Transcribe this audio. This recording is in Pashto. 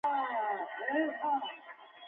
هګۍ د ماشومانو لپاره مهم خواړه دي.